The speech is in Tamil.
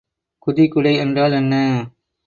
குதிகுடை என்றால் என்ன?